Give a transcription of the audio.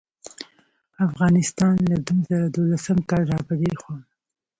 افغانستان له دوه زره دولسم کال راپه دې خوا